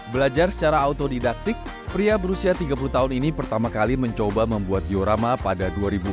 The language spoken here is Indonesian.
belajar secara autodidaktik pria berusia tiga puluh tahun ini pertama kali mencoba membuat diorama pada dua ribu empat belas